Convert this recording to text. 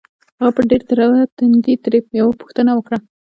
هغه په ډېر تروه تندي ترې يوه پوښتنه وکړه.